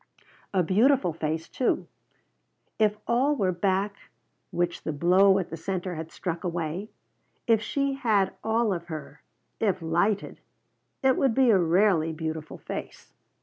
A beautiful face, too. If all were back which the blow at the center had struck away, if she had all of her if lighted it would be a rarely beautiful face.